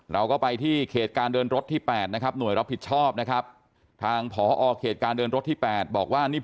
เราก็ไปที่เขตการเดินรถที่๘นะครับ